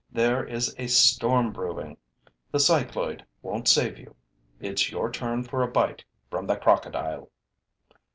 'There is a storm brewing; the cycloid won't save you; it's your turn for a bite from the Crocodile!'